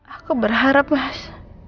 aku berharap mas